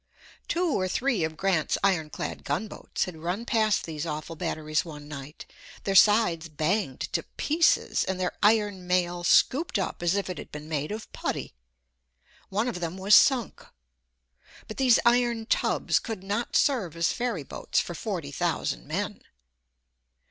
Two or three of Grant's ironclad gunboats had run past these awful batteries one night, their sides banged to pieces and their iron mail scooped up as if it had been made of putty. One of them was sunk. But these iron tubs could not serve as ferryboats for forty thousand men.